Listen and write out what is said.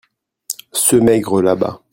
ce maigre là-bas.